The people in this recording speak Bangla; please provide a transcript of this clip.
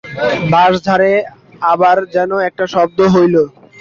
বাঁশঝাড়ে আবার যেন একটা শব্দ হইল।